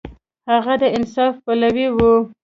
هغه د انصاف پلوی و.